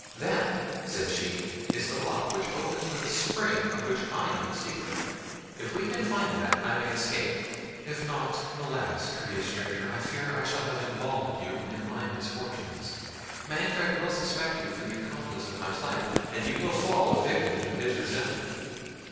"That," said she, "is the lock, which opens with a spring, of which I know the secret. If we can find that, I may escape—if not, alas! courteous stranger, I fear I shall have involved you in my misfortunes: Manfred will suspect you for the accomplice of my flight, and you will fall a victim to his resentment."